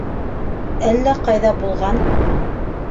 Әллә ҡайҙа булған!